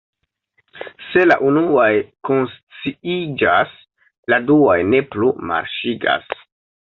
Se la unuaj konsciiĝas, la duaj ne plu marŝigas.